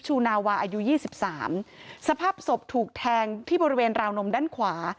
นาวาอายุยี่สิบสามสภาพศพถูกแทงที่บริเวณราวนมด้านขวา